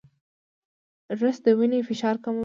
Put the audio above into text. رس د وینې فشار کموي